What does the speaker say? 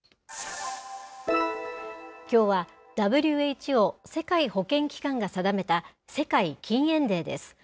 きょうは、ＷＨＯ・世界保健機関が定めた世界禁煙デーです。